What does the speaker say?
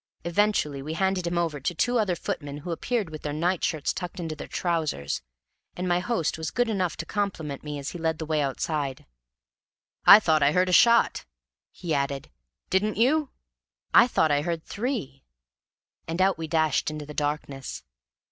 Eventually we handed him over to two other footmen who appeared with their nightshirts tucked into their trousers, and my host was good enough to compliment me as he led the way outside. "I thought I heard a shot," he added. "Didn't you?" "I thought I heard three." And out we dashed into the darkness.